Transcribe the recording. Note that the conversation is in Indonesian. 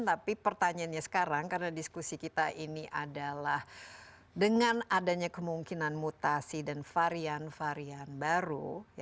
tapi pertanyaannya sekarang karena diskusi kita ini adalah dengan adanya kemungkinan mutasi dan varian varian baru